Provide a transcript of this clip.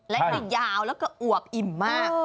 และจะยาวแล้วก็อวบอิ่มมาก